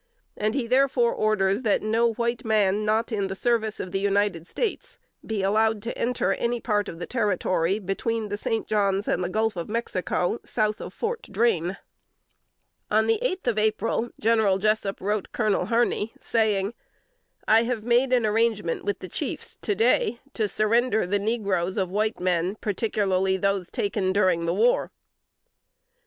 And he therefore orders that no white man, not in the service of the United States, be allowed to enter any part of the territory, between the St. John's and the Gulf of Mexico, south of Fort Drane." On the eighth of April, General Jessup wrote Colonel Harney, saying, "I have made an arrangement with the chiefs to day to surrender the negroes of white men, particularly those taken during the war."